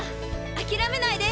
諦めないで！